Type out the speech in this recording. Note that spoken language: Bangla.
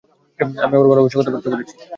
আমি আমার ভালোবাসার কথা ব্যক্ত করছি।